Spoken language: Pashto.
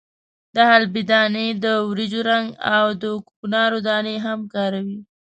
د حلبې دانې، د وریجو رنګ او د کوکنارو دانې هم کاروي.